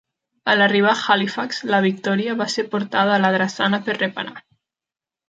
En arribar a Halifax, la "Victoria" va ser portada a la drassana per reparar.